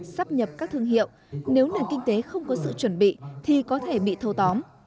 sắp nhập các thương hiệu nếu nền kinh tế không có sự chuẩn bị thì có thể bị thâu tóm